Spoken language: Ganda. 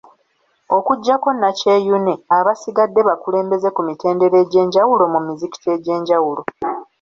Okujjako Nakyeyune, abasigadde bakulembeze ku mitendera egy'enjawulo mu mizikiti egy'enjawulo.